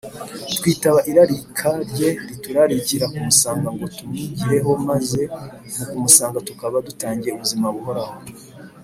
twitaba irarika rye riturarikira kumusanga ngo tumwigireho maze mu kumusanga tukaba dutangiye ubuzima buhoraho